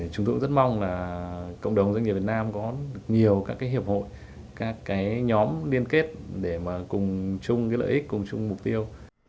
chúng tôi rất mong là cộng đồng doanh nghiệp việt nam có nhiều các hiệp hội các nhóm liên kết để cùng chung lợi ích cùng chung mục tiêu